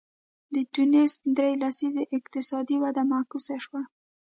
د ټونس درې لسیزې اقتصادي وده معکوسه شوه.